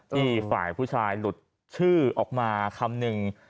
ฝ่ายผู้ชายหลุดชื่อออกมาคำนึง